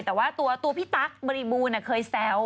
แต่ว่าตัวพี่ตั๊กบริบูรณ์เคยแซว